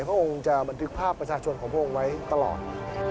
พระองค์จะบันทึกภาพประชาชนของพระองค์ไว้ตลอด